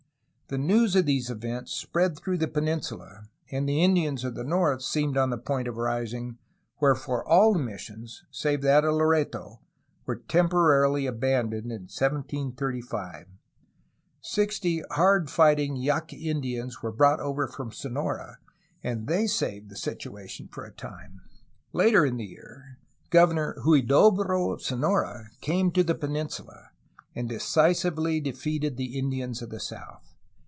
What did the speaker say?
The news of these events spread through the peninsula, and the Indians of the north seemed on the point of rising, wherefore all the missions, save that of Loreto, were temporarily abandoned in 1735. Sixty hard fighting Yaqui Indians were brought over from Sonora, and they saved the situation for a time. Later in the year Gov ernor Huydobro of Sonora came to the peninsula, and decisively defeated the Indians of the south.